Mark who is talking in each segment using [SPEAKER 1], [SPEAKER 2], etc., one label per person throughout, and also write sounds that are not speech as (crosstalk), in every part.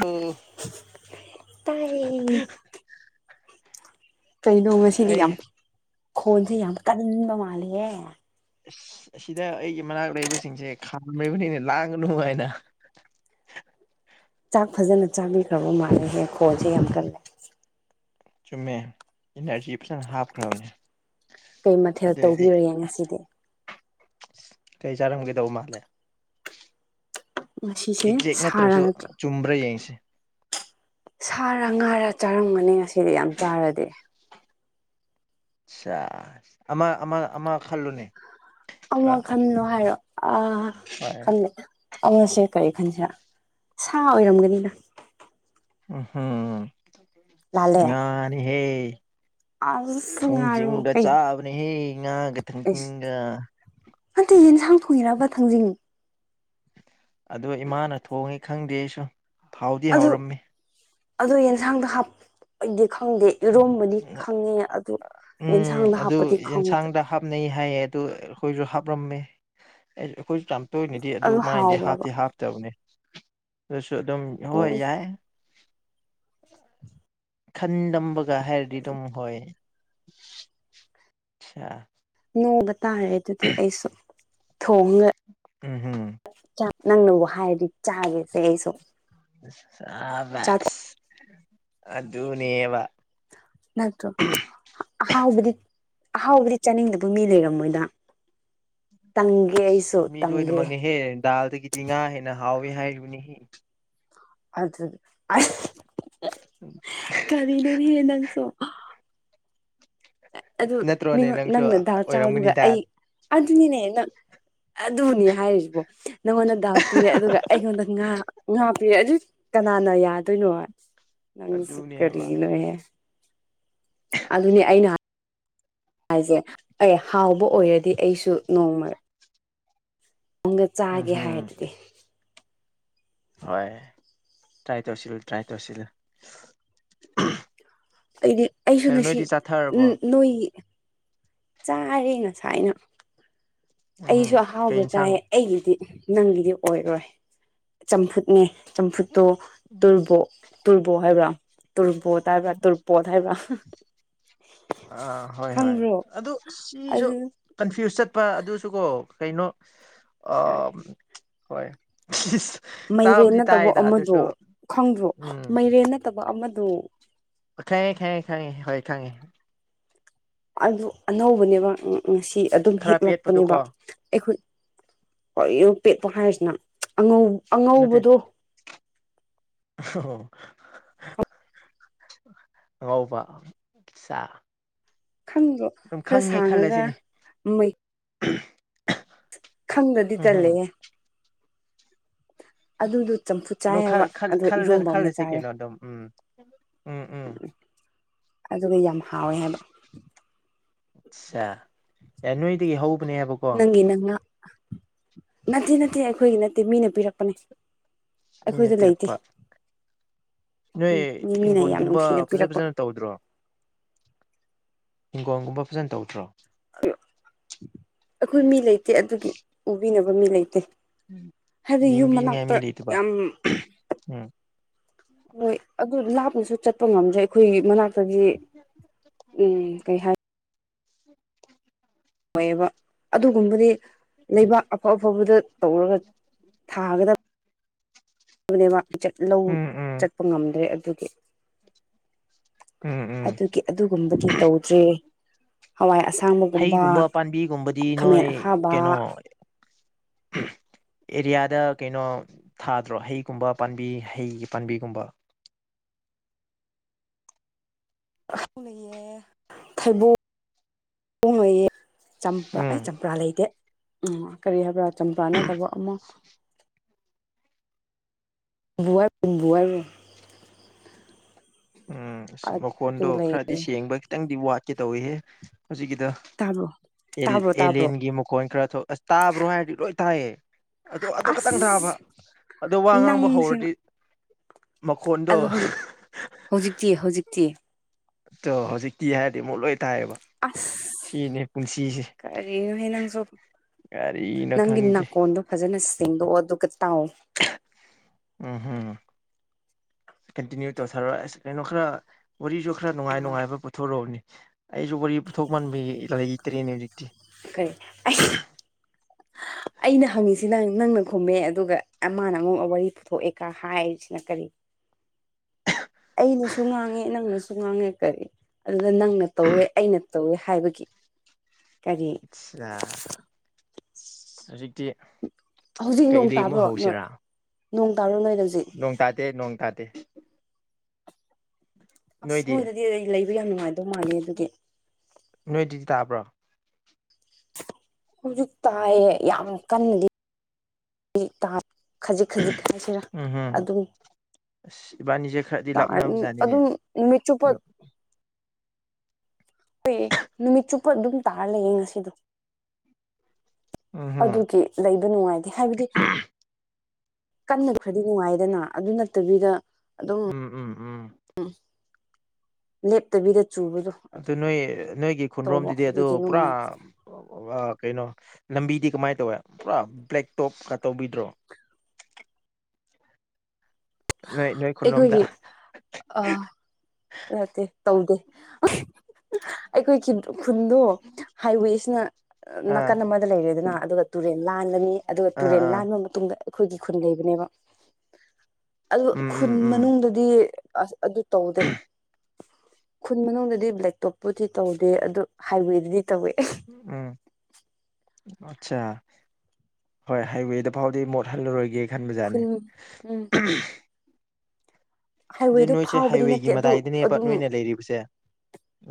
[SPEAKER 1] ꯑꯣ
[SPEAKER 2] ꯇꯥꯏꯌꯦ ꯀꯩꯅꯣ ꯉꯁꯤꯗꯤ
[SPEAKER 1] ꯑꯩ
[SPEAKER 2] ꯌꯥꯝ ꯈꯣꯟꯁꯦ ꯌꯥꯝ ꯀꯟꯕ ꯃꯥꯜꯂꯤꯍꯦ
[SPEAKER 1] ꯑꯁ ꯑꯁꯤꯗ ꯑꯩꯒꯤ ꯃꯅꯥꯛ ꯂꯩꯕꯁꯤꯡꯁꯦ ꯈꯥꯝꯔꯤꯕꯅꯤꯅꯦ ꯂꯥꯡꯒꯅꯨ ꯍꯥꯏꯅ
[SPEAKER 2] ꯆꯥꯛ ꯐꯖꯅ ꯆꯥꯕꯤꯈ꯭ꯔꯕ ꯃꯥꯜꯂꯦꯍꯦ ꯈꯣꯜꯁꯦ ꯌꯥꯝ ꯀꯜꯂꯦ꯫
[SPEAKER 1] ꯆꯨꯝꯃꯦ꯫ ꯏꯅꯔꯖꯤ ꯐꯖꯅ ꯍꯥꯞꯈ꯭ꯔꯕꯅꯦ
[SPEAKER 2] ꯀꯩ ꯃꯊꯦꯜ
[SPEAKER 1] ꯑꯗꯨꯗꯩ ꯑꯩ꯫
[SPEAKER 2] ꯇꯧꯕꯤꯔꯒꯦ ꯉꯁꯤꯗꯤ
[SPEAKER 1] ꯀꯩ ꯆꯥꯔꯒꯝꯗꯧ ꯃꯥꯂꯦ꯫
[SPEAKER 2] ꯉꯁꯤꯁꯦ
[SPEAKER 1] ꯑꯦꯖꯦꯛ
[SPEAKER 2] ꯁꯥꯔ
[SPEAKER 1] ꯅꯠꯇ꯭ꯔꯁꯨ
[SPEAKER 2] ꯅꯠꯇ꯭ꯔꯣ
[SPEAKER 1] ꯆꯨꯝꯕ꯭ꯔ ꯌꯦꯡꯁꯤ꯫
[SPEAKER 2] ꯁꯥꯔ ꯉꯥꯔ ꯆꯥꯔꯝꯒꯅꯤ ꯉꯁꯤꯗꯤ ꯌꯥꯝ ꯆꯥꯔꯗꯤ꯫
[SPEAKER 1] ꯁꯥꯁ ꯑꯃ ꯑꯃ ꯑꯃ ꯈꯜꯂꯨꯅꯦ꯫ ꯈꯔ
[SPEAKER 2] ꯑꯃ ꯈꯟꯂꯣ ꯍꯥꯏꯔꯣ ꯑ
[SPEAKER 1] ꯍꯣꯏ
[SPEAKER 2] ꯈꯥꯟꯗꯦ ꯑꯃꯁꯤ ꯀꯔꯤ ꯈꯟꯁꯤꯔ꯫ ꯁꯥ ꯑꯣꯏꯔꯝꯒꯅꯤꯗ
[SPEAKER 1] ꯎꯝ ꯍꯨꯝ ꯑꯁ
[SPEAKER 2] ꯂꯥꯜꯂꯦ
[SPEAKER 1] ꯉꯥꯅꯤꯍꯦ
[SPEAKER 2] ꯑꯁ ꯉꯥꯔꯣ
[SPEAKER 1] ꯊꯥꯡꯖꯤꯡꯒ
[SPEAKER 2] ꯀꯩ
[SPEAKER 1] ꯆꯥꯕꯅꯤꯍꯦ ꯉꯥꯒ
[SPEAKER 2] ꯑꯩꯁ
[SPEAKER 1] ꯊꯥꯡꯖꯤꯡꯒ
[SPEAKER 2] ꯅꯠꯇꯦ ꯌꯦꯟꯁꯥꯡ ꯊꯣꯡꯉꯤꯔꯕ ꯊꯥꯡꯖꯤꯡ
[SPEAKER 1] ꯑꯗꯣ ꯏꯃꯥꯅ ꯊꯣꯡꯉꯦ ꯈꯪꯗꯦ ꯑꯩꯁꯨ ꯍꯥꯎꯗꯤ
[SPEAKER 2] ꯑꯗꯨ
[SPEAKER 1] ꯍꯥꯎꯔꯝꯃꯤ
[SPEAKER 2] ꯑꯗꯨ ꯌꯦꯟꯁꯥꯡꯗ ꯍꯥꯞ ꯑꯩꯗꯤ ꯈꯪꯗꯦ ꯏꯔꯣꯝꯕꯗꯤ ꯈꯪꯉꯦ ꯑꯗꯨ
[SPEAKER 1] ꯎꯝ
[SPEAKER 2] ꯑꯦꯟꯁꯥꯡꯗ
[SPEAKER 1] ꯑꯗꯨ
[SPEAKER 2] ꯍꯥꯞꯄꯗꯤ ꯈꯪꯗꯦ
[SPEAKER 1] ꯌꯦꯟꯁꯥꯡꯗ ꯍꯥꯞꯅꯩ ꯍꯥꯏꯌꯦꯠ ꯑꯗꯨ ꯑꯩꯈꯣꯏꯁꯨ ꯍꯥꯞꯄꯔꯝꯃꯦ ꯑꯩ ꯑꯩꯈꯣꯏꯁꯨ ꯌꯥꯝ ꯇꯣꯏꯅꯗꯤ ꯑꯗꯨ ꯃꯥꯏꯅꯗꯤ ꯍꯥꯞꯇꯤ ꯍꯥꯞ ꯇꯕꯅꯦ ꯑꯗꯨꯁꯨ ꯑꯗꯨꯝ ꯍꯣꯏ
[SPEAKER 2] ꯎꯝ
[SPEAKER 1] ꯌꯥꯏ꯫ ꯈꯟꯂꯝꯕꯒ ꯍꯥꯏꯔꯗꯤ ꯑꯗꯨꯝ ꯍꯣꯏ ꯫
[SPEAKER 2] ꯅꯣꯡꯕ ꯇꯥꯔꯦ ꯑꯗꯨꯗꯤ ꯑꯩꯁꯨ ꯊꯣꯡꯉ꯫
[SPEAKER 1] ꯎꯝ ꯍꯨꯝ꯫
[SPEAKER 2] ꯆꯥꯛ ꯅꯪꯅꯕꯨ ꯍꯥꯏꯔꯗꯤ ꯆꯥꯒꯦꯁꯦ ꯑꯩꯁꯨ꯫ ꯆꯥꯊꯣꯛ
[SPEAKER 1] ꯁꯥꯕꯁ ꯑꯗꯨꯅꯦꯕ꯫
[SPEAKER 2] ꯅꯠꯇꯔꯣ꯫ ꯑꯍꯥꯎꯕꯗꯤ ꯑꯍꯥꯎꯕꯗꯤ ꯆꯥꯅꯤꯡꯗꯕ ꯃꯤ ꯂꯩꯔꯝꯃꯣꯏꯗ꯫ ꯇꯪꯒꯦ ꯑꯩꯁꯨ
[SPEAKER 1] ꯃꯤ
[SPEAKER 2] ꯇꯪꯒꯦ꯫
[SPEAKER 1] ꯂꯣꯏꯅꯃꯛꯅꯦꯍꯦ ꯗꯥꯜꯗꯒꯤꯗꯤ ꯉꯥꯅ ꯍꯦꯅ ꯍꯥꯎꯋꯤ ꯍꯕꯅꯤꯍꯦ꯫
[SPEAKER 2] ꯑꯗꯨꯗ ꯀꯔꯤꯅꯣꯅꯦꯍꯦ ꯅꯪꯁꯣ꯫ ꯑꯗꯨ
[SPEAKER 1] ꯅꯠꯇ꯭ꯔꯣꯅꯦ
[SPEAKER 2] ꯃꯤꯉꯣꯟ
[SPEAKER 1] ꯅꯪꯁꯨ
[SPEAKER 2] ꯅꯪꯅ ꯗꯥꯥꯛ ꯆꯥꯎꯗꯨꯒ
[SPEAKER 1] ꯑꯣꯏꯔꯝꯒꯅꯤꯗ
[SPEAKER 2] ꯑꯩ ꯑꯗꯨꯅꯤꯅꯦ ꯅꯪ꫰꫰ ꯑꯗꯨꯅꯦ ꯍꯥꯏꯔꯤꯁꯤꯕꯣ ꯅꯪꯉꯣꯟꯗ ꯗꯥꯜ ꯄꯤꯔꯦ ꯑꯗꯨꯒ꯫ ꯑꯩꯉꯣꯟꯗ ꯉꯥ ꯉꯥ ꯄꯤꯔꯦ ꯑꯗꯨ ꯀꯅꯥꯅ ꯌꯥꯗꯣꯏꯅꯣ꯫ ꯅꯪꯁꯨ
[SPEAKER 1] ꯑꯗꯨꯅꯦꯕ
[SPEAKER 2] ꯀꯔꯤꯒꯤꯅꯣꯍꯦ ꯑꯗꯨꯅꯦ ꯑꯩꯅ ꯍꯥꯏ꯫ ꯍꯥꯏꯁꯦ ꯑꯩ ꯍꯥꯎꯕ ꯑꯣꯏꯔꯗꯤ ꯑꯩꯁꯨ ꯅꯣꯡꯃ꯫ ꯑꯃꯒ
[SPEAKER 1] ꯎꯝ
[SPEAKER 2] ꯆꯥꯒꯦ
[SPEAKER 1] ꯍꯝ
[SPEAKER 2] ꯍꯥꯏꯔꯗꯨꯗꯤ
[SPEAKER 1] ꯍ ꯇ꯭ꯔꯥꯏ ꯇꯧꯁꯤ ꯇ꯭ꯔꯥꯏ ꯇꯧꯁꯤ
[SPEAKER 2] ꯎꯝ ꯑꯩꯗꯤ ꯑꯩꯁꯨ
[SPEAKER 1] ꯀꯩꯅꯣ
[SPEAKER 2] ꯉꯁꯤ
[SPEAKER 1] ꯅꯣꯏꯗꯤ ꯆꯥꯊꯔꯕꯣ
[SPEAKER 2] ꯅꯣꯏ ꯆꯥꯔꯦ ꯅꯁꯥꯏꯅ
[SPEAKER 1] ꯎꯝ
[SPEAKER 2] ꯑꯩꯁꯨ
[SPEAKER 1] ꯀꯩ
[SPEAKER 2] ꯑꯍꯥꯎꯕ ꯆꯥꯏ
[SPEAKER 1] ꯌꯦꯟꯁꯥꯡ
[SPEAKER 2] ꯑꯩꯒꯤꯗꯤ ꯅꯪꯒꯤꯗꯤ ꯑꯣꯏꯔꯣꯏ ꯆꯝꯐꯨꯠꯅꯦ ꯆꯝꯐꯨꯠꯇꯣ ꯇꯨꯔꯕꯣ ꯇꯨꯔꯕꯣ ꯍꯥꯏꯕ꯭ꯔꯥ ꯇꯨꯔꯕꯣꯠ ꯍꯥꯏꯕ꯭ꯔꯥ ꯇꯨꯔꯄꯣꯠ ꯍꯥꯏꯕ꯭ꯔꯥ꯫
[SPEAKER 1] ꯑꯥ ꯍꯣꯏ ꯍꯣꯏ
[SPEAKER 2] ꯈꯪꯕ꯭ꯔꯣ
[SPEAKER 1] ꯑꯗꯨ ꯁꯤꯁꯨ꯫
[SPEAKER 2] ꯑꯗꯨ
[SPEAKER 1] ꯀꯟꯐ꯭ꯌꯨꯁ ꯆꯠꯄ ꯑꯗꯨꯁꯨ ꯀꯣ ꯀꯩꯅꯣ꯫ ꯍꯣꯏ꯫
[SPEAKER 2] ꯃꯩꯔꯦꯟ
[SPEAKER 1] ꯇꯥꯕꯨꯗꯤ
[SPEAKER 2] ꯅꯠꯇꯕ
[SPEAKER 1] ꯇꯥꯏꯗ
[SPEAKER 2] ꯑꯃꯗꯣ
[SPEAKER 1] ꯑꯗꯨꯁꯨ
[SPEAKER 2] ꯈꯪꯗ꯭ꯔꯣ
[SPEAKER 1] ꯎꯝ
[SPEAKER 2] ꯃꯩꯔꯦꯟ ꯅꯠꯇꯕ ꯑꯃꯗꯣ꯫
[SPEAKER 1] ꯈꯪꯉꯦ ꯈꯪꯉꯦ ꯈꯉꯦ ꯍꯣꯏ ꯈꯪꯉꯦ꯫
[SPEAKER 2] ꯑꯗꯨ ꯑꯅꯧꯕꯅꯦꯕ ꯉꯁꯤ ꯑꯗꯨꯝ
[SPEAKER 1] ꯈꯔ
[SPEAKER 2] ꯍꯦꯛꯂꯛꯄꯅꯦꯕ
[SPEAKER 1] ꯄꯦꯠꯄꯗꯨꯀꯣ
[SPEAKER 2] ꯑꯩꯈꯣꯏ ꯍꯣꯏ ꯄꯦꯛꯄ ꯍꯥꯏꯔꯤꯁꯤꯅ ꯑꯉꯧ ꯑꯉꯧꯕꯗꯣ
[SPEAKER 1] ꯑꯣ ꯑꯉꯥꯎꯕ ꯁꯥ
[SPEAKER 2] ꯈꯪꯗꯣ ꯈꯔ ꯁꯥꯡꯉꯒ
[SPEAKER 1] ꯈꯜꯂꯁꯤꯅꯦ
[SPEAKER 2] ꯃꯩ
[SPEAKER 1] ꯎꯝ ꯍꯝ
[SPEAKER 2] ꯈꯪꯗꯗꯂꯦ ꯑꯗꯨꯗꯣ ꯆꯝꯐꯨꯠ
[SPEAKER 1] ꯑꯗꯣ
[SPEAKER 2] ꯆꯥꯏ ꯍꯥꯏꯕ ꯑꯗꯨꯒ ꯏꯔꯣꯝꯕ ꯑꯃ
[SPEAKER 1] ꯈꯜꯂꯁ
[SPEAKER 2] ꯆꯥꯔꯦ
[SPEAKER 1] ꯀꯩꯅꯣ ꯑꯗꯨꯝ ꯎꯝ ꯎꯝ ꯎꯝ
[SPEAKER 2] ꯑꯗꯨꯒ ꯌꯥꯝ ꯍꯥꯎꯋꯦ ꯍꯥꯏꯕ
[SPEAKER 1] ꯑꯆꯥ
[SPEAKER 2] ꯅꯪꯒꯤꯤ ꯅꯪꯉ ꯅꯠꯇꯦ ꯅꯠꯇꯦ ꯑꯩꯈꯣꯏꯒꯤ ꯅꯠꯇꯦ ꯃꯤꯅ ꯄꯤꯔꯛꯄꯅꯦ
[SPEAKER 1] ꯃꯤꯅ
[SPEAKER 2] ꯑꯩꯈꯣꯏꯗ ꯂꯩꯇꯦ
[SPEAKER 1] ꯄꯤꯔꯛꯄ ꯅꯣꯏ
[SPEAKER 2] ꯎꯝ ꯃꯤꯅ ꯌꯥꯝ
[SPEAKER 1] ꯍꯤꯡꯒꯣꯜꯒꯨꯝꯕ
[SPEAKER 2] ꯅꯨꯡꯁꯤꯅ
[SPEAKER 1] ꯐꯖ
[SPEAKER 2] ꯄꯤꯔꯛꯄ
[SPEAKER 1] ꯐꯖꯅ ꯇꯧꯗ꯭ꯔꯣ ꯍꯤꯡꯒꯣꯜꯒꯨꯝꯕ ꯐꯖꯅ ꯇꯧꯗ꯭ꯔꯣ
[SPEAKER 2] ꯑꯩꯈꯣꯏ ꯃꯤ ꯂꯩꯇꯦ ꯑꯗꯨꯒꯤ ꯎꯕꯤꯅꯕ ꯃꯤ ꯂꯩꯇꯦ ꯍꯥꯏꯗꯤ ꯌꯨꯝ
[SPEAKER 1] ꯌꯦꯡꯕꯤꯅꯤꯉꯥꯏ
[SPEAKER 2] ꯃꯅꯥꯛꯇ
[SPEAKER 1] ꯃꯤ ꯂꯩꯇꯕ
[SPEAKER 2] ꯌꯥꯝ
[SPEAKER 1] ꯎꯝ
[SPEAKER 2] ꯍꯣꯏ ꯑꯗꯨ ꯂꯥꯞꯅꯁꯨ ꯆꯠꯄ ꯉꯝꯖ꯭ꯔꯩ ꯑꯩꯈꯣꯏꯒꯤ ꯃꯅꯥꯛꯇꯒꯤ ꯎꯝ ꯀꯩ ꯍꯥꯏ
[SPEAKER 1] ꯎ
[SPEAKER 2] ꯑꯣꯏꯌꯦꯕ ꯑꯗꯨꯒꯨꯝꯕꯗꯤ ꯂꯩꯕꯥꯛ ꯑꯐ ꯑꯐꯕꯗ ꯇꯧꯔꯒ ꯊꯥꯒꯗꯕ ꯑꯗꯨꯅꯦ ꯂꯧ
[SPEAKER 1] ꯎꯝ ꯎꯝ
[SPEAKER 2] ꯆꯠꯄ ꯉꯝꯗ꯭ꯔꯦ ꯑꯗꯨꯗꯤ
[SPEAKER 1] ꯎꯝ ꯎꯝ
[SPEAKER 2] ꯑꯗꯨꯒꯤ ꯑꯗꯨꯒꯨꯝꯕꯒꯤ ꯇꯧꯗ꯭ꯔꯦ ꯍꯋꯥꯏ ꯑꯁꯥꯡꯕꯒꯨꯝꯕ
[SPEAKER 1] ꯍꯩꯒꯨꯝꯕ
[SPEAKER 2] ꯈꯥꯃꯦꯟ ꯑꯈꯥꯕ
[SPEAKER 1] ꯍꯝ ꯑꯦꯔꯤꯌꯥꯗ ꯀꯩꯅꯣ ꯊꯥꯗ꯭ꯔꯣ ꯍꯩꯒꯨꯝꯕ ꯄꯥꯝꯕꯤ ꯍꯩꯒꯤ ꯄꯥꯝꯕꯤꯒꯨꯝꯕ
[SPEAKER 2] ꯍꯣꯡ ꯂꯩꯌꯦ ꯊꯩꯕꯣꯡ ꯐꯣꯡ ꯂꯩꯑꯌꯦ ꯆꯝꯄ꯭ꯔꯥ
[SPEAKER 1] ꯎꯝ
[SPEAKER 2] ꯑꯩ ꯆꯝꯄ꯭ꯔꯥ ꯂꯩꯗꯦ ꯎꯝ ꯀꯔꯤ ꯍꯥꯏꯕ꯭ꯔꯥ ꯆꯝꯄ꯭ꯔꯥ ꯅꯠꯇꯕ ꯑꯃ ꯕꯔ
[SPEAKER 1] ꯎꯝ ꯑ
[SPEAKER 2] ꯑꯗꯨ
[SPEAKER 1] ꯃꯈꯣꯟꯗꯣ
[SPEAKER 2] ꯂꯩ
[SPEAKER 1] ꯈꯔꯗꯤ ꯁꯦꯡꯕ ꯈꯤꯇꯪꯗꯤ ꯋꯥꯠꯀꯦ ꯇꯧꯏꯍꯦ ꯍꯧꯖꯤꯛꯀꯤꯗ
[SPEAKER 2] ꯇꯥꯕꯣ
[SPEAKER 1] ꯑꯦꯂꯦꯟꯒꯤ ꯃꯈꯣꯟ ꯈꯔ ꯊꯣꯛ ꯑꯁ ꯇꯥꯕ꯭ꯔꯣ ꯍꯥꯏꯗꯤ ꯂꯣꯏ ꯊꯥꯏꯑꯦ ꯑꯗꯨ ꯑꯗꯨ
[SPEAKER 2] ꯑꯁ
[SPEAKER 1] ꯈꯇꯪ ꯊꯥꯕ ꯑꯗꯨ ꯋꯥ ꯉꯥꯡꯕ
[SPEAKER 2] ꯅꯪꯁꯤꯅ
[SPEAKER 1] ꯍꯧꯔꯗꯤ ꯃꯈꯣꯟꯗꯣ
[SPEAKER 2] ꯑꯗꯣ ꯍꯧꯖꯤꯛ ꯍꯧꯖꯤꯛꯇꯤ ꯍꯧꯖꯤꯛꯇꯤ
[SPEAKER 1] ꯑꯣ ꯍꯧꯖꯤꯛꯇꯤ ꯍꯥꯏꯔꯗꯤ ꯃꯨꯛ ꯂꯣꯏ ꯇꯥꯏꯌꯦꯕ
[SPEAKER 2] ꯑ
[SPEAKER 1] ꯁꯤꯅꯦ ꯄꯨꯟꯁꯤꯁꯦ
[SPEAKER 2] ꯀꯔꯤꯨ ꯅꯪ ꯁꯣ
[SPEAKER 1] ꯀꯒꯥꯔꯤꯅ ꯈꯪꯗꯦ
[SPEAKER 2] ꯐꯖꯅ ꯁꯦꯡꯗꯣꯛꯑꯣ ꯑꯗꯨꯒ ꯇꯥꯎ
[SPEAKER 1] ꯎꯝ ꯎꯝ ꯀꯟꯇꯎ ꯇꯧ ꯋꯥꯔꯤ ꯈꯔ ꯅꯨꯡꯉꯥꯏ
[SPEAKER 2] ꯑ
[SPEAKER 1] ꯅꯨꯡꯉꯥꯏꯕ ꯄꯨꯊꯣꯔꯛꯕꯅꯤ ꯑꯩꯁꯨ ꯋꯥꯔꯤ ꯄꯨꯊꯣꯛꯃꯟꯕ ꯂꯩꯇ꯭ꯔꯦꯅꯦ ꯍꯧꯖꯤꯛꯇꯤ
[SPEAKER 2] ꯀꯩ
[SPEAKER 1] (inaudible)
[SPEAKER 2] ꯑꯩꯅ ꯍꯪꯉꯤꯁꯤ ꯅꯪ ꯅꯪꯅ ꯈꯨꯝꯃꯦ ꯑꯗꯨꯒ ꯑꯃꯅ ꯑꯉ ꯋꯥꯔꯤ ꯄꯨꯊꯣꯛꯑꯦꯀ ꯍꯥꯏꯔꯤꯁꯤꯅ ꯀꯔꯤ ꯑꯩꯅꯁꯨ ꯉꯥꯡꯉꯦ ꯅꯪꯅꯁꯨ ꯉꯥꯡꯉꯦ ꯀꯔꯤ ꯑꯗꯨꯗ ꯅꯪꯅ ꯇꯧꯋꯦ ꯑꯩꯅ ꯇꯧꯋꯦ ꯍꯥꯏꯕꯒꯤ ꯀꯔꯤ
[SPEAKER 1] ꯑ ꯍꯧꯖꯤꯛꯇꯛꯇ
[SPEAKER 2] ꯍꯧꯖꯤꯛ ꯅꯣꯡ ꯇꯥꯕ꯭ꯔꯣ ꯅꯣꯏ ꯅꯣꯡ ꯇꯥꯕ꯭ꯔꯣ ꯅꯣꯏ ꯔꯖꯤꯛ
[SPEAKER 1] ꯅꯣꯡ ꯇꯥꯇꯦ ꯅꯣꯡ ꯇꯥꯇꯦ
[SPEAKER 2] ꯑꯁ
[SPEAKER 1] ꯅꯣꯏꯗꯤ
[SPEAKER 2] ꯃꯣꯏꯗꯗꯤ ꯑꯩ ꯂꯩꯕ ꯌꯥꯝ ꯅꯨꯡꯉꯥꯏꯗꯧ ꯃꯥꯜꯂꯦ ꯑꯗꯨꯗꯤ
[SPEAKER 1] ꯅꯣꯏ ꯑꯗꯨꯗꯤ ꯇꯥꯕ꯭ꯔꯣ
[SPEAKER 2] ꯍꯧꯖꯤꯛ ꯇꯥꯏꯌꯦ ꯌꯥꯝ ꯀꯜꯂꯤꯖꯤ ꯈꯖꯤꯛ ꯈꯖꯤꯛ ꯍꯥꯏꯁꯤꯔꯥ
[SPEAKER 1] ꯎꯝꯍꯨꯝ
[SPEAKER 2] ꯑꯗꯨꯝ
[SPEAKER 1] ꯑꯁ ꯏꯕꯥꯅꯤꯁꯦ ꯈꯔꯗꯤ
[SPEAKER 2] ꯇ
[SPEAKER 1] ꯂꯥꯞꯅꯕꯖꯥꯠꯅꯤꯅꯦ
[SPEAKER 2] ꯑꯗꯨꯝ ꯅꯨꯃꯤꯠꯆꯨꯞꯄ ꯍꯣꯏ ꯅꯨꯃꯤꯠ ꯆꯨꯞꯄ ꯑꯗꯨꯝ ꯇꯥꯔ ꯂꯩꯌꯦ ꯉꯁꯤꯗꯣ
[SPEAKER 1] ꯎꯝ ꯍꯝ
[SPEAKER 2] ꯑꯗꯨꯒꯤ ꯂꯩꯕ ꯅꯨꯡꯉꯥꯏꯇꯦ ꯍꯥꯏꯕꯗꯤ ꯀꯟ ꯈꯔꯗꯤ ꯅꯨꯡꯉꯥꯏꯗꯅ ꯑꯗꯨ ꯅꯠꯇꯕꯤꯗ
[SPEAKER 1] ꯎꯝ ꯎꯝ ꯎꯝ
[SPEAKER 2] ꯎꯝ ꯂꯦꯞꯇꯕꯤꯗ ꯆꯨꯕꯗꯣ
[SPEAKER 1] ꯑꯗꯨ ꯅꯣꯏ ꯅꯣꯏꯒꯤ
[SPEAKER 2] ꯇꯧꯕ
[SPEAKER 1] ꯈꯨꯟꯗꯔꯣꯝꯗꯨꯗꯤ ꯑꯗꯨ
[SPEAKER 2] ꯑꯗꯨꯒꯤ
[SPEAKER 1] ꯄꯨꯔꯥ
[SPEAKER 2] ꯅꯨꯡꯉꯥꯏꯇꯦ
[SPEAKER 1] ꯑ ꯀꯩꯅꯣ ꯂꯝꯕꯤꯗꯤ ꯀꯃꯥꯏ ꯇꯧꯋꯦ ꯄꯨꯔꯥ ꯕ꯭ꯂꯦꯛ ꯇꯣꯞꯀ ꯇꯧꯕꯤꯗ꯭ꯔꯣ ꯅꯣꯏ ꯅꯣꯏ ꯈꯨꯟꯂꫭꯝꯗ
[SPEAKER 2] ꯑꯩꯈꯣꯏꯒꯤ ꯑ ꯅꯠꯇꯦ ꯇꯧꯗꯦ ꯑꯊꯤ ꯑꯩꯈꯣꯏꯒꯤ ꯈꯨꯟꯗꯣ ꯍꯥꯏꯋꯦꯁꯤꯅ
[SPEAKER 1] ꯑꯥ
[SPEAKER 2] ꯅꯥꯀꯟ ꯂꯣꯏꯔꯦꯗꯅ ꯑꯗꯨꯒ ꯇꯨꯔꯦꯟ ꯂꯥꯟꯕꯅꯤ ꯑꯗꯨꯒ
[SPEAKER 1] ꯑꯥ
[SPEAKER 2] ꯇꯨꯔꯦꯟ
[SPEAKER 1] ꯑꯥ
[SPEAKER 2] ꯂꯥꯟꯕ ꯃꯇꯨꯡꯗ ꯑꯩꯈꯣꯏꯒꯤ ꯈꯨꯟ ꯂꯩꯕꯅꯦꯕ ꯑꯣ
[SPEAKER 1] ꯎꯝ
[SPEAKER 2] ꯈꯨꯟ
[SPEAKER 1] ꯎꯝ
[SPEAKER 2] ꯃꯅꯨꯡꯗꯗꯤ ꯑꯁ ꯑꯗꯨ ꯇꯧꯗꯦ ꯈꯨꯟ ꯃꯅꯨꯡꯗꯗꯤ ꯕ꯭ꯂꯦꯛꯛꯇꯣꯞꯄꯨꯗꯤ ꯇꯧꯗꯦ ꯑꯗꯨ ꯍꯥꯏꯋꯦꯗꯗꯤ ꯇꯧꯋꯦ
[SPEAKER 1] ꯎꯝ ꯑꯠ ꯍꯣꯏ ꯍꯥꯏꯋꯦꯗ ꯐꯥꯎꯗꯤ ꯃꯣꯠꯍꯜꯂꯨꯔꯣꯏꯒꯦ
[SPEAKER 2] ꯈꯨꯟ
[SPEAKER 1] ꯈꯟꯕꯖꯥꯅꯤ
[SPEAKER 2] ꯎꯝ
[SPEAKER 1] ꯁꯤ
[SPEAKER 2] ꯍꯥꯏꯋꯦꯗꯣ
[SPEAKER 1] ꯅꯣꯏꯁꯦ
[SPEAKER 2] ꯐꯥꯎꯕꯗꯤ ꯅꯠꯇꯦ
[SPEAKER 1] ꯍꯥꯏꯋꯦꯒꯤ
[SPEAKER 2] ꯑꯗꯨ
[SPEAKER 1] ꯃꯇꯗꯥꯏꯗꯅꯦꯕ
[SPEAKER 2] ꯑꯗꯨꯝ
[SPEAKER 1] ꯅꯣꯏꯅ ꯂꯩꯔꯤꯕꯁꯦ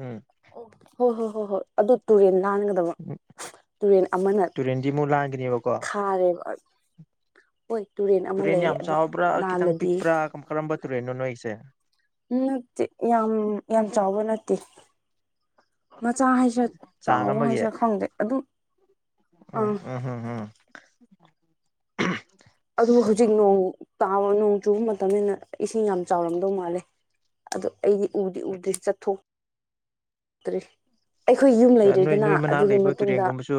[SPEAKER 1] ꯎꯝ
[SPEAKER 2] ꯑꯣ ꯍꯣꯏ ꯍꯣꯏ ꯍꯣꯏ ꯍꯣꯏ ꯑꯗꯨ ꯇꯨꯔꯦꯟ ꯂꯥꯟ ꯗꯨꯒ ꯇꯨꯔꯦꯟ ꯑꯃꯅ
[SPEAKER 1] ꯇꯨꯔꯦꯟꯗꯤ ꯑꯃꯨꯛ ꯂꯥꯟꯒꯅꯦꯕꯀꯣ
[SPEAKER 2] ꯈꯥꯔꯦꯕ ꯍꯣꯏ ꯇꯨꯔꯦꯟ ꯑꯃ ꯂꯩꯌꯦ ꯑꯗꯨ ꯂꯥꯜꯂꯗꯤ
[SPEAKER 1] ꯎꯝ ꯀꯔꯝꯕ ꯇꯨꯔꯦꯟꯅꯣ ꯅꫭꯏꯉꯤꯁꯦ
[SPEAKER 2] ꯅꯠꯇꯦ ꯌꯥꯝ ꯌꯥꯝ ꯆꯥꯎꯕ ꯅꯠꯇꯦ ꯃꯆꯥ ꯍꯥꯏꯁꯤꯔ
[SPEAKER 1] ꯆꯥꯡ
[SPEAKER 2] ꯆꯥꯎꯕ
[SPEAKER 1] ꯑꯃꯒꯤ
[SPEAKER 2] ꯍꯥꯏꯁꯤꯔ ꯈꯪꯗꯦ ꯑꯗꯨꯝ ꯑꯥ
[SPEAKER 1] ꯎ ꯎꯝ ꯎꯝ
[SPEAKER 2] ꯑꯗꯨ ꯍꯧꯖꯤꯛ ꯅꯣꯡ ꯇꯥꯕ ꯅꯣꯡ ꯆꯨꯕ ꯃꯇꯝꯅꯤꯅ ꯏꯁꯤꯡ ꯌꯥꯝ ꯆꯥꯎꯔꯝꯗꯧ ꯃꯥꯜꯂꯦ ꯑꯗꯨ ꯑꯩꯗꯤ ꯎꯗꯤ ꯎꯗ꯭ꯔꯤ ꯆꯠꯊꯣꯛꯇ꯭ꯔꯤ ꯑꯩꯈꯣꯏ ꯌꯨꯝ
[SPEAKER 1] ꯅꯣꯏ
[SPEAKER 2] ꯂꯩꯔꯦꯗꯅ
[SPEAKER 1] ꯅꯣꯏ ꯃꯅꯥꯛ
[SPEAKER 2] ꯑꯗꯨꯒꯤ
[SPEAKER 1] ꯂꯩꯕ
[SPEAKER 2] ꯃꯇꯨꯡꯗ
[SPEAKER 1] ꯇꯨꯔꯦꯟꯒꯨꯝꯕꯁꯨ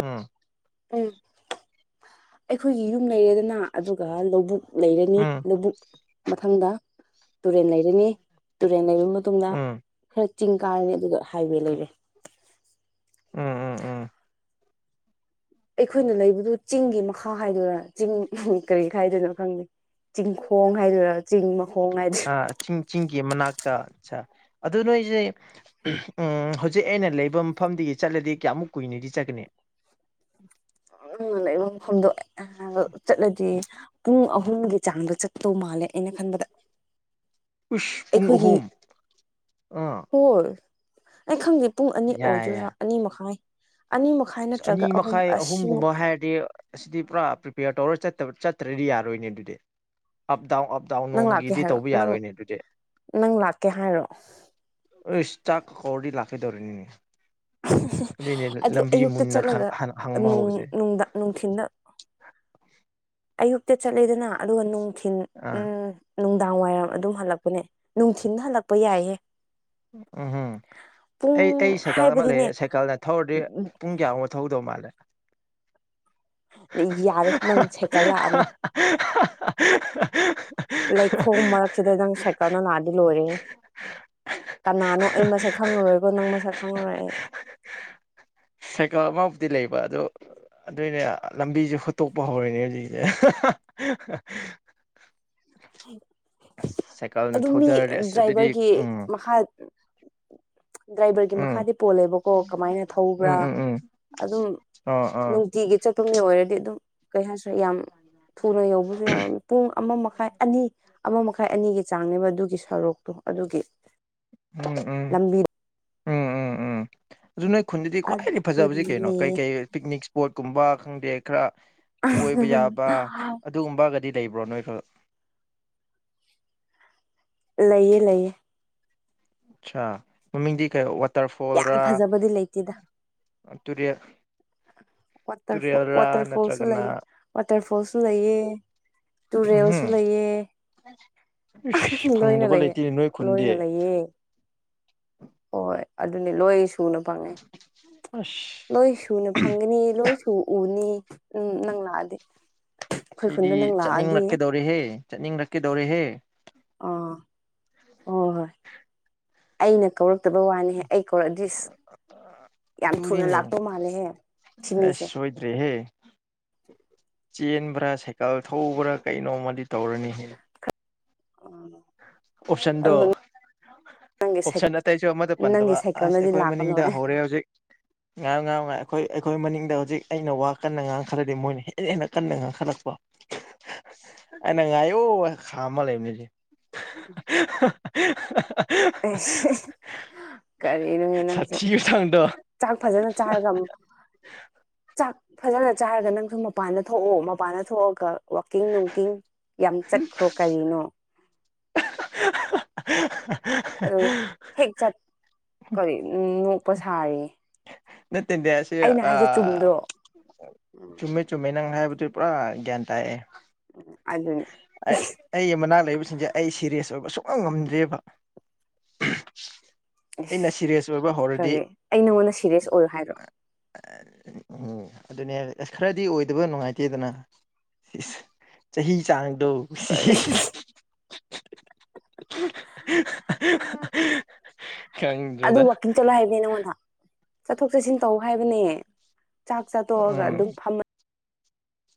[SPEAKER 1] ꯎꯝ
[SPEAKER 2] ꯎꯝ ꯑꯩꯈꯣꯏꯒꯤ ꯌꯨꯝ ꯂꯩꯔꯦꯗꯅ ꯑꯗꯨꯒ ꯂꯧꯕꯨꯛ ꯂꯩꯔꯅꯤ
[SPEAKER 1] ꯎꯝ
[SPEAKER 2] ꯂꯕꯨꯛ ꯃꯊꯪꯗ ꯇꯨꯔꯦꯜ ꯂꯩꯔꯅꯤ ꯇꯨꯔꯦꯟ ꯂꯩꯕ ꯇꯨꯡꯗ
[SPEAKER 1] ꯎꯝ
[SPEAKER 2] ꯈꯔ ꯆꯤꯡ ꯀꯥꯔꯅꯤ ꯑꯗꯨꯒ ꯍꯥꯏꯋꯦ ꯂꯩꯔꯦ
[SPEAKER 1] ꯎꯝ ꯎꯝ ꯎꯝ
[SPEAKER 2] ꯑꯩꯈꯣꯏꯅ ꯂꯩꯕꯗꯨ ꯆꯤꯡꯒꯤ ꯃꯈꯥ ꯍꯥꯏꯗꯣꯏꯔꯥ ꯆꯤꯡ ꯀꯔꯤ ꯈꯥꯏꯗꯣꯏꯅꯣ ꯈꯪꯗꯦ ꯆꯤꯡꯈꯣꯡ ꯍꯥꯏꯗꫭꯏꯔꯥ ꯆꯤꯡ ꯃꯈꯣꯡ ꯍꯥꯏꯗꯨꯔ
[SPEAKER 1] ꯑ ꯆꯤꯡ ꯆꯤꯡꯒꯤ ꯃꯅꯥꯛꯇ ꯑꯁꯥ ꯑꯗꯨ ꯅꯣꯏꯖꯦ ꯎꯝ ꯍꯧꯖꯤꯛ ꯑꯩꯅ ꯂꯩꯕ ꯃꯐꯝꯗꯒꯤ ꯆꯠꯂꯗꯤ ꯀꯌꯥꯃꯨꯛ ꯀꯨꯏꯅꯗꯤ ꯆꯠꯀꯅꯤ
[SPEAKER 2] ꯎꯝ ꯅꯪꯅ ꯂꯩꯕ ꯃꯐꯝꯗꫭ ꯑꯗꯨ ꯆꯠꯂꯗꯤ ꯄꯨꯡ ꯑꯍꯨꯝꯒꯤ ꯆꯥꯡꯗ ꯆꯠꯇꯧ ꯃꯥꯜꯂꯦ ꯑꯩꯅ ꯈꯟꯕꯗ
[SPEAKER 1] ꯎꯁ ꯄꯨꯡ
[SPEAKER 2] ꯑꯩꯈꯣꯏꯒꯤ
[SPEAKER 1] ꯑꯍꯨꯝ ꯑꯥ
[SPEAKER 2] ꯍꯣꯔ ꯑꯩ ꯈꯪꯗꯦ ꯄꯨꯡ ꯑꯅꯤ
[SPEAKER 1] ꯌꯥꯏ
[SPEAKER 2] ꯑꯣꯏꯗꯣꯏꯔꯥ
[SPEAKER 1] ꯌꯥꯏ
[SPEAKER 2] ꯑꯅꯤ ꯃꯈꯥꯏ ꯑꯅꯤ ꯃ
[SPEAKER 1] ꯑꯅꯤ ꯃꯈꯥꯏ ꯑꯍꯨꯝꯒꯨꯝꯕ ꯍꯥꯏ ꯗꯤ ꯑꯁꯤꯗꯤ ꯄꯨꯔꯥ ꯄ꯭ꯔꯤꯄꯦꯌꯔ ꯇꯧꯔ ꯆꯠꯇꯕ ꯆꯠꯇ꯭ꯔꯗꯤ ꯌꯥꯔꯣꯏꯅꯦ ꯑꯗꯨꯗꯤ ꯑꯞ ꯗꯥꯎꯟ ꯑꯞ ꯗꯥꯎ
[SPEAKER 2] ꯅꯪ ꯂꯥꯛꯀꯦ
[SPEAKER 1] ꯅꯣꯡꯃꯒꯤꯗꯤ
[SPEAKER 2] ꯍꯥꯏꯔꯣ
[SPEAKER 1] ꯇꯧꯕ
[SPEAKER 2] ꯅꯪ
[SPEAKER 1] ꯌꯥꯔꯣꯏꯅꯦ ꯑꯗꯨꯗꯤ
[SPEAKER 2] ꯅꯪ ꯂꯥꯛꯀꯦ ꯍꯥꯏꯔꯣ
[SPEAKER 1] ꯏꯁ ꯆꯥꯛ ꯍꯧꯔꯗꯤ ꯂꯥꯛꯀꯦ ꯇꯧꯔꯤꯅꯤꯅꯦ ꯑꯗꯨꯏꯅꯦ ꯑꯗꯨ ꯂꯝ
[SPEAKER 2] ꯑꯌꯨꯛꯇ ꯆꯠꯂꯒ ꯅꯨꯡ ꯅꯨꯡꯗ ꯅꯨꯡꯊꯤꯟꯗ ꯑꯌꯨꯛꯇ ꯆꯠꯂꯦꯗꯅ ꯑꯗꯨꯒ ꯅꯨꯡꯊꯤꯟ
[SPEAKER 1] ꯑꯥ
[SPEAKER 2] ꯎꯝ ꯅꯨꯡꯗꯥꯡ ꯋꯥꯏꯔꯝ ꯑꯗꯨꯝ ꯍꯜꯂꯛꯄꯅꯦ ꯅꯨꯡꯊꯤꯟꯗ ꯍꯜꯂꯛꯄ ꯌꯥꯏꯌꯦ
[SPEAKER 1] ꯎꯝ ꯎꯝ ꯑꯩ
[SPEAKER 2] ꯄꯨꯡ
[SPEAKER 1] ꯑꯩ ꯁꯥꯏꯀꯜ ꯑꯃ
[SPEAKER 2] ꯍꯥꯏꯕꯗꯤꯅꯦ
[SPEAKER 1] ꯂꯩꯌꯦ ꯁꯥꯏꯀꯜꯗ ꯊꯧꯔꯗꯤ ꯄꯨꯡ (unintelligible) ꯊꯧꯗꯧ ꯃꯥꯜꯂꯦ
[SPEAKER 2] ꯌꯥꯔꯦ ꯅꯪ ꯁꯦꯀꯠꯂꯥꯛꯑꯅꯨ ꯂꯩꯈꯣꯝ ꯃꯔꯛꯁꯤꯗ ꯅꯪ ꯁꯥꯏꯀꯜꯅ ꯅꯥꯗꯤ ꯂꯣꯏꯔꯦ ꯀꯅꯥꯅꯣ ꯑꯩ ꯃꯁꯛ ꯈꯪꯉꯔꯣꯏꯀꯣ ꯅꯪ ꯃꯁꯛ ꯈꯪꯉꯔꯣꯏ ꯑꯩ
[SPEAKER 1] ꯁꯦꯀ ꯑꯃꯕꯨꯗꯤ ꯂꯩꯕ ꯑꯗꯣ ꯑꯗꯨꯏꯅꯦ ꯂꯝꯕꯤꯁꯦ ꯍꯨꯠꯇꯣꯛꯄ ꯍꯧꯔꯅꯦ ꯍꯧꯖꯤꯛꯁꯦ (unintelligible) ꯑꯁ ꯁꯥꯏꯀꯜꯅ
[SPEAKER 2] ꯑꯗꯨꯝ ꯃꯤ
[SPEAKER 1] ꯊꯧꯗꯔꯗꯤ ꯑꯁ ꯑꯗꯨꯗꯤ
[SPEAKER 2] ꯗ꯭ꯔꯥꯏꯚꯔꯒꯤ
[SPEAKER 1] ꯎꯝ
[SPEAKER 2] ꯃꯈꯥ ꯗ꯭ꯔꯥꯏꯚꯔꯒꯤ
[SPEAKER 1] ꯎꯝ
[SPEAKER 2] ꯃꯈꯥꯗꯤ ꯄꯣꯜꯂꯦꯕꯀꯣ ꯀꯃꯥꯏꯅ
[SPEAKER 1] ꯎꯝ
[SPEAKER 2] ꯊꯧꯕ꯭ꯔꯥ
[SPEAKER 1] ꯎꯝ ꯎꯝ
[SPEAKER 2] ꯑꯗꯨꯝ
[SPEAKER 1] ꯑꯥ ꯑꯥ
[SPEAKER 2] ꯊꯤꯒꯤ ꯆꯠꯄ ꯃꯤ ꯑꯣꯏꯔꯗꯤ ꯑꯗꯨꯝ ꯀꯩ ꯍꯥꯏꯔꯦ ꯌꯥꯝ ꯊꯨꯅ ꯌꯧꯕꯁꯨ ꯌꯥꯎꯔꯝꯃꯤ ꯄꯨꯡ ꯑꯃ ꯃꯈꯥꯏ ꯑꯅꯤ ꯑꯃ ꯃꯈꯥꯏ ꯑꯅꯤꯒꯤ ꯆꯥꯡꯅꯦꯕ ꯑꯗꯨꯒꯤ ꯁꯣꯔꯨꯛꯇꯣ ꯑꯗꯨꯒꯤ
[SPEAKER 1] ꯎꯝ ꯎꯝ
[SPEAKER 2] ꯂꯝꯕꯤ
[SPEAKER 1] ꯎꯝ ꯎꯝ ꯎꯝ ꯑꯗꯨ ꯅꯣꯏ ꯈꯨꯟꯗꯗꯤ ꯈ꯭ꯋꯥꯏꯗꯒꯤ ꯐꯖꯕꯖꯦ ꯀꯩꯅꯣ
[SPEAKER 2] ꯑꯗꯨꯅꯦ
[SPEAKER 1] ꯀꯩ ꯀꯩ ꯄꯤꯛꯅꯤꯛ ꯏꯁꯄꯣꯠꯀꯨꯝꯕ ꯈꯪꯗꯦ ꯈꯔ ꯀꯣꯏꯕ ꯌꯥꯕ ꯑꯗꯨꯒꯨꯝꯕꯒꯗꯤ ꯂꯩꯕ꯭ꯔꯣ ꯅꯣꯏꯗꫭ
[SPEAKER 2] ꯂꯩꯌꯦ ꯂꯩꯌꯦ
[SPEAKER 1] ꯑꯠꯁꯥ ꯃꯃꯤꯡꯗꯤ ꯀꯩ
[SPEAKER 2] ꯌꯥꯝ
[SPEAKER 1] ꯋꯥꯇꯔꯐꯣꯜꯔ
[SPEAKER 2] ꯐꯖꯕꯗꯤ ꯂꯩꯇꯦꯗ
[SPEAKER 1] ꯇꯨꯔꯦꯜ
[SPEAKER 2] ꯋꯥꯇꯔꯐꯣꯜ
[SPEAKER 1] ꯇꯨꯔꯦꯜꯔꯥ
[SPEAKER 2] ꯋꯥꯇꯔ ꯐꯣꯜꯁꯨ
[SPEAKER 1] ꯅꯠꯇ꯭ꯔꯒꯅ
[SPEAKER 2] ꯂꯩ ꯋꯥꯇꯔ ꯐꯣꯜꯁꯨ ꯂꯩꯌꯦ ꯇꯨꯔꯦꯜꯁꯨ
[SPEAKER 1] ꯎꯝꯍꯨꯝ
[SPEAKER 2] ꯂꯩꯌꯦ
[SPEAKER 1] ꯏꯁ
[SPEAKER 2] ꯂꯣꯏꯅ
[SPEAKER 1] ꯐꯪꯗꯕ
[SPEAKER 2] ꯂꯩꯌꯦ
[SPEAKER 1] ꯂꯩꯇꯦꯅꯦ ꯅꯣꯏ ꯈꯨꯟꯗꯤ
[SPEAKER 2] ꯂꯣꯏꯅ ꯂꯩꯌꯦ ꯍꯣꯏ ꯑꯗꯨꯅꯦ ꯂꯣꯏ ꯁꯨꯅ ꯐꯪꯉꯦ
[SPEAKER 1] ꯑꯁ
[SPEAKER 2] ꯂꯣꯏ ꯁꯨꯅ ꯐꯪꯒꯅꯤ ꯂꯣꯏ ꯇꯨ ꯎꯅꯤ ꯎꯝ ꯅꯪ ꯂꯥꯛꯑꯗꯤ ꯑꯩꯈꯣꯏ
[SPEAKER 1] ꯁꯤꯗꯤ
[SPEAKER 2] ꯈꯨꯟꯗ ꯅꯪ ꯂꯥꯛꯑꯗꯤ
[SPEAKER 1] ꯆꯠꯅꯤꯡꯂꯛꯀꯦꯗꯧꯔꯦꯍꯦ ꯆꯠꯅꯤꯡꯂꯛꯀꯦꯗꯧꯔꯦꯍꯦ
[SPEAKER 2] ꯑꯥ ꯍꯣꯏ ꯍꯣꯏ ꯑꯩꯅ (unintelligible) ꯐꯠꯇꯕ ꯋꯥꯅꯤꯍꯦ ꯑꯩ ꯀꯧꯔꯛꯑꯗꯏꯁ ꯌꯥꯝ ꯊꯨꯅ
[SPEAKER 1] ꯑꯗꯨꯅꯤꯅꯦ
[SPEAKER 2] ꯂꯥꯛꯄꯧ ꯃꯥꯜꯂꯦꯍꯦ ꯁꯤꯃꯤꯁꯦ
[SPEAKER 1] (unintelligible) ꯆꯦꯟꯕ꯭ꯔꯥ ꯁꯥꯏꯀꯜ ꯊꯧꯕ꯭ꯔꯥ ꯀꯩꯅꯣꯃꯗꯤ ꯇꯧꯔꯅꯤꯍꯦ
[SPEAKER 2] (inaudible)
[SPEAKER 1] ꯑꯣꯞꯁꯟꯗꯣ
[SPEAKER 2] ꯑꯗꯨ ꯅꯪꯒꯤ
[SPEAKER 1] ꯑꯣꯞꯁꯟ ꯑꯇꯩꯁꯨ ꯑꯃꯗ ꯄꯟꯗꯕ
[SPEAKER 2] ꯅꯪꯒꯤ
[SPEAKER 1] ꯑꯁ
[SPEAKER 2] ꯁꯥꯏꯀꯜꯅꯗꯤ
[SPEAKER 1] ꯑꯩꯈꯣꯏ
[SPEAKER 2] ꯂꯥꯛꯀꯅꯣꯏ
[SPEAKER 1] ꯃꯅꯤꯡꯗ ꯍꯧꯔꯦ ꯍꯧꯖꯤꯛ ꯉꯥꯡ ꯉꯥꯡ ꯉꯥꯏ ꯑꯩꯈꯣꯏ ꯑꯩꯈꯣꯏ ꯃꯅꯤꯡꯗ ꯍꯧꯖꯤꯛ ꯑꯩꯅ ꯋꯥ ꯀꯟꯅ ꯉꯥꯡ ꯈꯠꯂꯗꯤ ꯃꯣꯏꯅ ꯍꯦꯟꯅ ꯍꯦꯟꯅ ꯀꯟꯅ ꯉꯥꯡꯈꯠꯂꯛꯄ (unintelligible) ꯈꯥꯃꯥ ꯂꯩꯅꯤꯁꯤ (unintelligible)
[SPEAKER 2] (unintelligible) ꯀꯔꯤꯅꯍꯑꯦ ꯅꯪꯁꯨ
[SPEAKER 1] ꯁꯥꯊꯤꯕ ꯆꯥꯡꯗꯣ
[SPEAKER 2] ꯆꯥꯛ ꯐꯖꯅ ꯆꯥꯔꯒ ꯆꯥꯛ ꯐꯖꯅ ꯆꯥꯔꯒ ꯅꯪꯁꯨ ꯃꯄꯥꯟꯗ ꯊꯣꯛꯑꯣ ꯃꯄꯅ ꯊꯣꯛꯑꯒ ꯋꯥꯛꯀꯤꯡ ꯅꯨꯡꯀꯤꯡ ꯌꯥꯝ ꯆꯠꯈ꯭ꯔꯣ ꯀꯔꯤꯅꯣ
[SPEAKER 1] (unintelligible) (unintelligible)
[SPEAKER 2] ꯑꯗꯨ ꯍꯦꯛ ꯆꯠ ꯀꯔꯤ ꯅꯣꯛꯄ ꯁꯥꯔꯤ
[SPEAKER 1] ꯅꯠꯇꯦꯗ ꯁꯤ
[SPEAKER 2] ꯑꯩꯅ ꯍꯥꯏꯁꯦ
[SPEAKER 1] ꯑꯥ
[SPEAKER 2] ꯆꯨꯝꯗ꯭ꯔꯣ
[SPEAKER 1] ꯆꯨꯝꯃꯦ ꯆꯨꯝꯃꯦ ꯅꯪ ꯍꯥꯏꯕꯗꯨ ꯄꯨꯔꯥ ꯒ꯭ꯌꯥꯟ ꯇꯥꯏꯑꯦ
[SPEAKER 2] ꯑꯗꯨꯅꯤ
[SPEAKER 1] ꯑꯩ ꯑꯩꯒꯤ ꯃꯅꯥꯛ ꯂꯩꯕꯁꯤꯡꯁꯦ ꯑꯩ ꯁꯤꯔꯤꯌꯁ ꯑꯣꯏꯕ ꯁꯨꯡꯅꯝ ꯉꯝꯗ꯭ꯔꯦꯕ ꯑꯩꯅ ꯁꯤꯔꯤꯌꯁ ꯑꯣꯏꯕ
[SPEAKER 2] ꯑꯦꯁ
[SPEAKER 1] ꯍꯧꯔꯗꯤ
[SPEAKER 2] ꯈꯔꯦ ꯑꯩ ꯅꯉꯣꯟꯗ ꯁꯤꯔꯤꯌꯁ ꯑꯣꯏꯔꯣ ꯍꯥꯏꯔꯣ
[SPEAKER 1] ꯎꯝ ꯑꯗꯨꯅꯦ ꯑꯁ ꯈꯔꯗꯤ ꯑꯣꯏꯗꯕ ꯅꯨꯡꯉꯥꯏꯇꯦꯗꯅ ꯆꯍꯤ ꯆꯥꯡꯗꯣ
[SPEAKER 2] ꯀꯔꯤ
[SPEAKER 1] (unintelligible)
[SPEAKER 2] (unintelligible) ꯑꯗꯨ
[SPEAKER 1] ꯈꯪꯗ꯭ꯔꯦꯗ
[SPEAKER 2] ꯋꯥꯛꯀꯤꯡ ꯆꯠꯂꯣ ꯍꯥꯏꯕꯅꯦ ꯅꯪꯉꯣꯟꯗ ꯆꯠꯊꯣꯛ ꯆꯠꯁꯤꯟ ꯇꯧ ꯍꯥꯏꯕꯅꯦ ꯆꯥꯛ ꯆꯥꯊꯣꯛꯑꯒ ꯑꯗꯨꯝ
[SPEAKER 1] ꯎꯝ
[SPEAKER 2] ꯐꯝꯃꯥ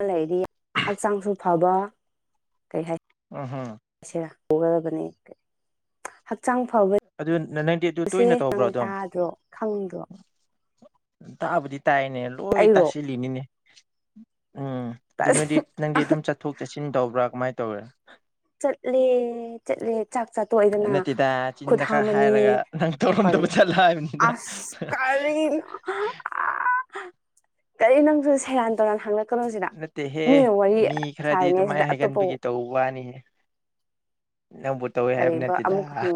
[SPEAKER 2] ꯂꯩꯗꯤ ꯍꯛꯆꯥꯡꯁꯨ ꯐꯕ ꯀꯩ ꯍꯥꯏ
[SPEAKER 1] (unintelligible)
[SPEAKER 2] (unintelligible) ꯗꯕꯅꯤ ꯍꯛꯆꯥꯡ
[SPEAKER 1] ꯑꯗꯨ ꯅꯪꯗꯤ ꯑꯗꯨ
[SPEAKER 2] ꯐꯕꯁꯦ
[SPEAKER 1] ꯇꯣꯏꯅ ꯇꯧꯕ꯭ꯔꯣ
[SPEAKER 2] ꯅꯪ
[SPEAKER 1] ꯑꯗꯨꯝ
[SPEAKER 2] ꯇꯥꯗ꯭ꯔꯣ ꯈꯪꯗ꯭ꯔꯣ
[SPEAKER 1] ꯇꯥꯕꯨꯗꯤ ꯇꯥꯏꯅꯦ ꯂꯣꯏ
[SPEAKER 2] ꯑꯩꯔꯣ
[SPEAKER 1] ꯇꯥꯁꯤꯜꯂꯤꯅꯤꯅꯦ ꯎꯝ ꯑꯗꯨ ꯅꯣꯏꯗꯤ ꯅꯪꯗꯤ ꯑꯗꯨꯝ ꯆꯠꯊꯣꯛ ꯆꯠꯁꯤꯟ ꯇꯧꯕ꯭ꯔꯥ ꯀꯃꯥꯏꯅ ꯇꯧꯢ
[SPEAKER 2] ꯆꯠꯂꯦ ꯆꯠꯂꯦ ꯆꯥꯛ ꯆ ꯇꯣꯛꯑꯦꯗꯅ
[SPEAKER 1] ꯅꯠꯇꯦꯗ
[SPEAKER 2] ꯈꯨꯠ
[SPEAKER 1] ꯆꯤꯟꯗ ꯈꯔ
[SPEAKER 2] ꯍꯥꯝꯃꯅꯤ
[SPEAKER 1] ꯍꯥꯏꯔꯒ ꯅꯪ
[SPEAKER 2] ꯀꯔꯤ
[SPEAKER 1] ꯇꯧꯔꯝꯗꯕ ꯆꯠꯂ ꯍꯥꯏꯕꯅꯤꯗ
[SPEAKER 2] ꯑꯁ ꯀꯔꯤ ꯅꯪ ꯑꯁ ꯀꯩ ꯅꯪꯁꯨ ꯁꯦꯔꯥꯟ ꯇꯧꯔꯥꯟ ꯍꯡꯉꯛꯀꯅꯨ ꯁꯤꯗ
[SPEAKER 1] ꯅꯠꯇꯦꯍꯦ
[SPEAKER 2] ꯃꯤꯅ ꯋꯥꯔꯤ
[SPEAKER 1] ꯃꯤ ꯈꯔꯗꯤ
[SPEAKER 2] ꯁꯥꯔꯤꯉꯩꯁꯤꯗ
[SPEAKER 1] ꯑꯗꯨꯃꯥꯏꯅ
[SPEAKER 2] ꯑꯇꯣꯞꯄ
[SPEAKER 1] ꯍꯥꯏꯒꯟꯕꯒꯤ ꯇꯧꯕ ꯋꯥꯅꯤꯍꯦ ꯅꯪꯕꯨ ꯇꯧꯋꯦ ꯍꯥꯏꯕ
[SPEAKER 2] ꯀꯔꯤꯕ
[SPEAKER 1] ꯅꯠꯇꯦꯗ
[SPEAKER 2] ꯑꯃꯨꯛ ꯍꯪ